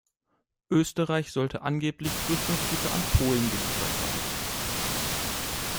Österreich sollte angeblich Rüstungsgüter an Polen geliefert haben.